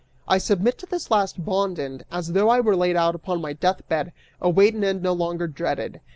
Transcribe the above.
I submit to this last bond and, as though I were laid out upon my death bed, await an end no longer dreaded.